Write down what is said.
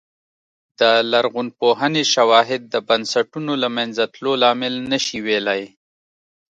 د لرغونپوهنې شواهد د بنسټونو له منځه تلو لامل نه شي ویلای